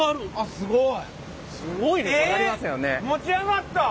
すごい！